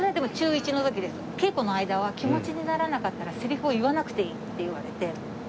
稽古の間は気持ちにならなかったらセリフを言わなくていいって言われて。